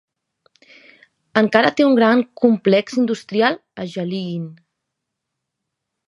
Encara té un gran complex industrial a Geleen.